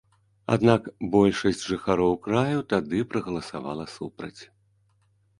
Аднак большасць жыхароў краю тады прагаласавала супраць.